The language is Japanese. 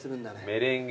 メレンゲ。